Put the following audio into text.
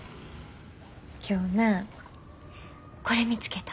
今日なこれ見つけた。